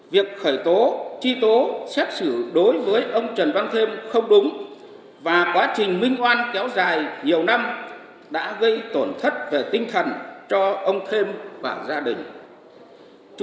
việc khởi tố truy tố xét xử đối với ông trần văn thêm không đúng và quá trình minh oan kéo dài nhiều năm đã gây tổn thất về tinh thần cho ông thêm và gia đình